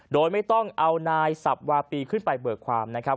โดยไม่ต้องเอานายสับวาปีขึ้นไปเบิกความนะครับ